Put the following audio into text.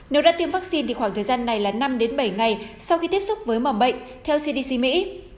nếu đã tiêm vaccine thì khoảng thời gian này là năm bảy ngày sau khi tiếp xúc với mầm bệnh theo cdc mỹ